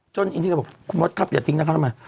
จนอินดีล์ก็บอกคุณบ๊อตครับอย่าทิ้งนะครับเหมาะ